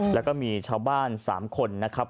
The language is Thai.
แล้วก็มีชาวบ้าน๓คนนะครับ